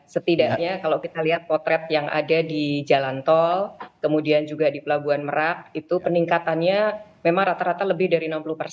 setidaknya kalau kita lihat potret yang ada di jalan tol kemudian juga di pelabuhan merak itu peningkatannya memang rata rata lebih dari enam puluh persen